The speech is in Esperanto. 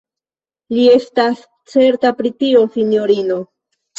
Li estas certa pri tio, sinjorino.